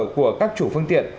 của các chủ phương tiện